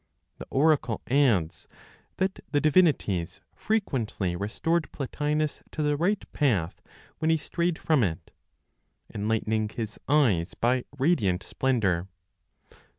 The oracle adds that the divinities frequently restored Plotinos to the right path when he strayed from it, "enlightening his eyes by radiant splendor."